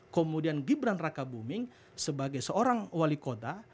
kemudian gibran raka buming sebagai seorang wali kota